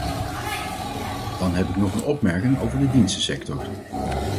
Dan heb ik nog een opmerking over de dienstensector.